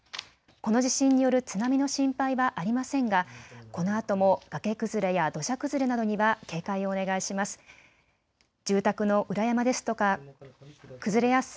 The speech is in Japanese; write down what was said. この地震による津波の心配はありませんがこのあとも崖崩れや土砂崩れなどには警戒をお願いします。